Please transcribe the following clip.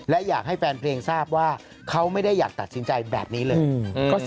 และอยากให้แฟนเพลงทราบว่าเขาไม่ได้อยากตัดสินใจแบบนี้เลย